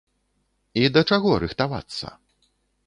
І да чаго рыхтавацца?